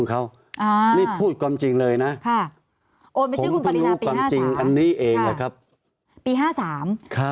คร่าวใจค่ะ